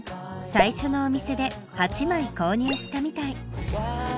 最初のお店で８枚購入したみたい。